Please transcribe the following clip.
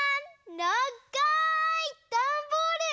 ながいダンボール！